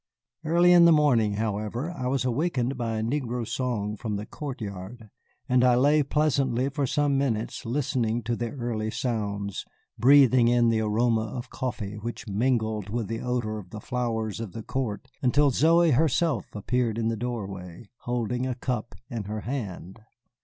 Early in the morning, however, I was awakened by a negro song from the court yard, and I lay pleasantly for some minutes listening to the early sounds, breathing in the aroma of coffee which mingled with the odor of the flowers of the court, until Zoey herself appeared in the doorway, holding a cup in her hand.